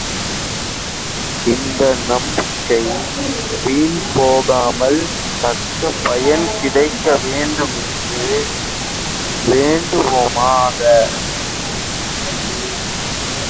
இந்த நம்பிக்கை வீண் போகாமல் தக்க பயன் கிடைக்க வேண்டும் என்று வேண்டுவோமாக!